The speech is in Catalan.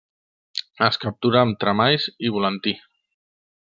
Es captura amb tremalls i volantí.